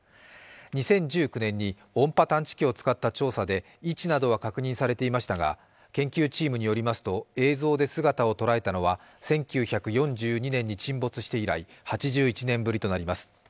２０１９年に音波探知機を使った調査で位置などは確認されていましたが研究チームによりますと映像で姿を捉えたのは１９４２年に沈没して以来８１年ぶりとなります。